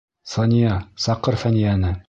Сания, саҡыр Фәниәне.